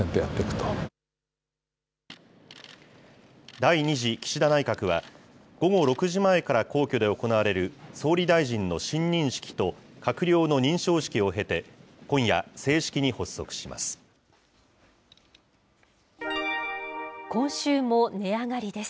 第２次岸田内閣は、午後６時前から皇居で行われる総理大臣の親任式と閣僚の認証式を経て、今夜、正式に発足します。